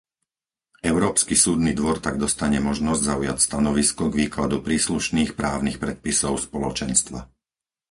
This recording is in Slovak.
Európsky súdny dvor tak dostane možnosť zaujať stanovisko k výkladu príslušných právnych predpisov Spoločenstva.